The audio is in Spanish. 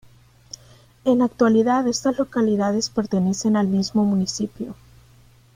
En la actualidad estas localidades pertenecen al mismo municipio.